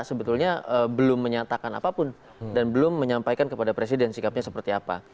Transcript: sebetulnya belum menyatakan apapun dan belum menyampaikan kepada presiden sikapnya seperti apa